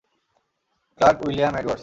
Clerk William Edwards.